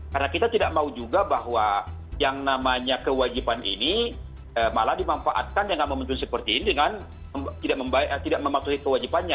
karena kita tidak mau juga bahwa yang namanya kewajipan ini malah dimanfaatkan dengan momentum seperti ini dengan tidak mematuhi kewajipannya